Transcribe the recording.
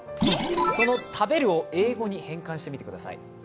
食べるを英語に変換してください。